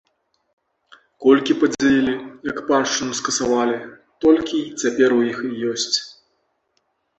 Колькі падзялілі, як паншчыну скасавалі, толькі й цяпер у іх ёсць.